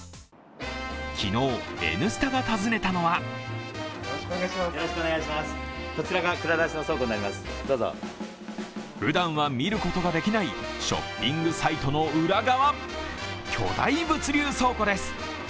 昨日、「Ｎスタ」が訪ねたのはふだんは見ることができないショッピングサイトの裏側、巨大物流倉庫です。